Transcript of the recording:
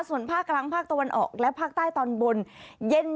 ส่วนภาคกลางภาคตะวันออกและภาคใต้ตอนบนเย็น